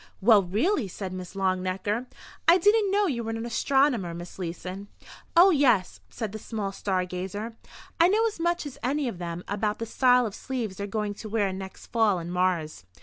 "Well, really!" said Miss Longnecker. "I didn't know you were an astronomer, Miss Leeson." "Oh, yes," said the small star gazer, "I know as much as any of them about the style of sleeves they're going to wear next fall in Mars."